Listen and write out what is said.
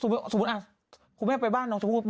ผมอยากไปบ้านน้องชมพู่